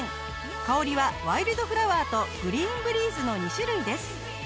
香りはワイルドフラワーとグリーンブリーズの２種類です。